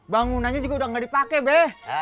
bangunannya juga udah nggak dipakai be